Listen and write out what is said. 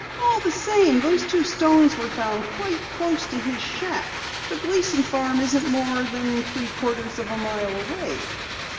All the same, those two stones were found quite close to his shack. The Gleason farm isn't more than three quarters of a mile away."